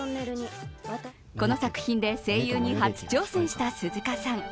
この作品で声優に初挑戦した鈴鹿さん。